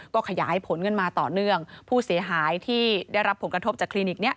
ก็ขยายผลกันมาต่อเนื่องผู้เสียหายที่ได้รับผลกระทบจากคลินิกนี้